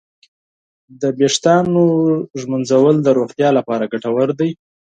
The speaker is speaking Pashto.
د ویښتانو ږمنځول د روغتیا لپاره ګټور دي.